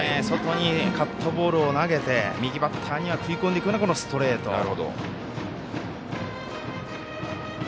外にカットボールを投げて右バッターには食い込んでくるストレート。